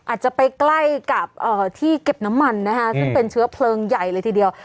อาจจะไปใกล้กับที่เก็บน้ำมันนะคะซึ่งเป็นเชื้อเพลิงใหญ่เลยทีเดียว